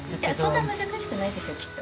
そんな難しくないですよきっと。